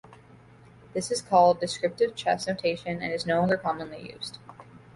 This is called descriptive chess notation and is no longer commonly used.